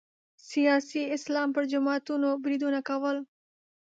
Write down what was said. سیاسي اسلام پر جماعتونو بریدونه کول